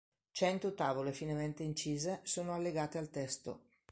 Cento tavole finemente incise sono allegate al testo.